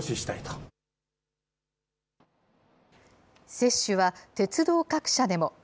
接種は、鉄道各社でも。